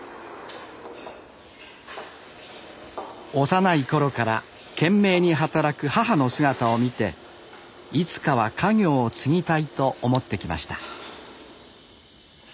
幼い頃から懸命に働く母の姿を見ていつかは家業を継ぎたいと思ってきました。